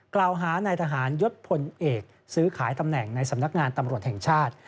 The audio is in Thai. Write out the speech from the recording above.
กล่าวหานายทหารยศพลเอกซื้อขายตำแหน่งในสำนักงานตำรวจแห่งชาติ